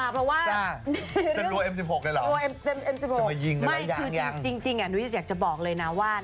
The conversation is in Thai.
ผู้พิชวนมันอยู่กับโอเคนะค่ะ